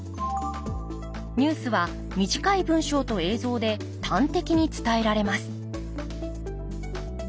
ニュースは短い文章と映像で端的に伝えられます